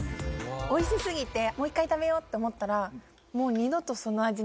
おいし過ぎてもう一回食べようって思ったらもう。